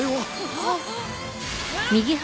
あっ！？